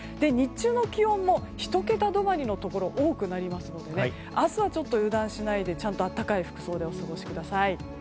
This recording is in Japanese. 日中の気温も１桁止まりのところが多くなりますので明日は油断しないで暖かい服装でお過ごしください。